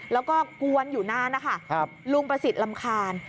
แล้วก็กวนอยู่นานนะคะลุงประสิทธิ์รำคาญ